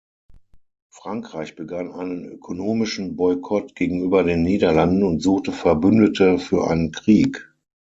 Frankreich begann einen ökonomischen Boykott gegenüber den Niederlanden und suchte Verbündete für einen Krieg.